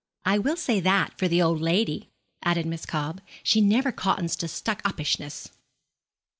'I will say that for the old lady,' added Miss Cobb, 'she never cottons to stuckupishness.'